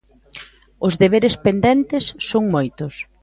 Os deberes pendentes son moitos.